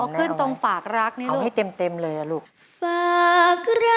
เอาขึ้นตรงฝากรักนี่ลูกเอาให้เต็มเลยลูกที่พี่สนแล้วไง